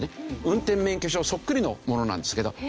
運転免許証そっくりのものなんですけど。